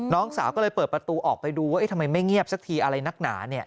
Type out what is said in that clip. น้องสาวก็เลยเปิดประตูออกไปดูว่าทำไมไม่เงียบสักทีอะไรนักหนาเนี่ย